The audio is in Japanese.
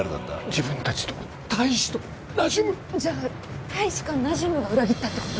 自分達と大使とナジュムじゃあ大使かナジュムが裏切ったってこと？